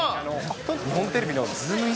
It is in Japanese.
日本テレビのズームイン！！